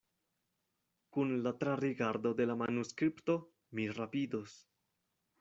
Kun la trarigardo de la manuskripto mi rapidos.